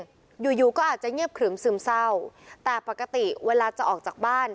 อยู่อยู่ก็อาจจะเงียบขรึมซึมเศร้าแต่ปกติเวลาจะออกจากบ้าน